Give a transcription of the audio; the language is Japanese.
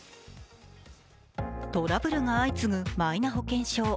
トラブルが相次ぐマイナ保険証。